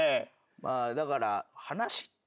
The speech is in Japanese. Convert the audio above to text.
まあだから。